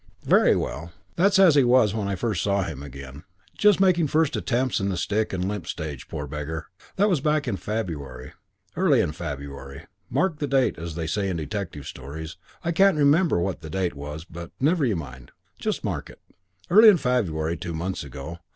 "Very well. That's as he was when I first saw him again. Just making first attempts in the stick and limp stage, poor beggar. That was back in February. Early in February. Mark the date, as they say in the detective stories. I can't remember what the date was, but never you mind. You just mark it. Early in February, two months ago.